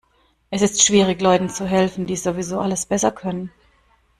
Es ist schwierig, Leuten zu helfen, die sowieso alles besser können.